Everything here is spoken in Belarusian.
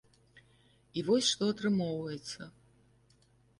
І вось што атрымоўваецца.